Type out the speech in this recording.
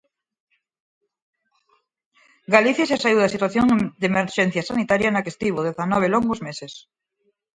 Galicia xa saíu da situación de emerxencia sanitaria na que estivo dezanove longos meses.